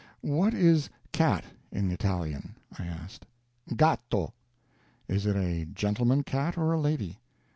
"What is cat, in Italian?" I asked. "Gatto." "Is it a gentleman cat, or a lady?"